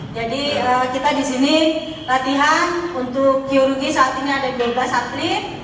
jadi kita disini latihan untuk kinergi saat ini ada dua belas atlet